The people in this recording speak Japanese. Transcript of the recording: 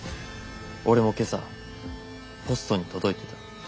俺も今朝ポストに届いてた。